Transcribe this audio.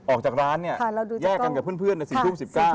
ออกจากร้านเนี่ยแยกกันกับเพื่อนใน๔ทุ่ม๑๙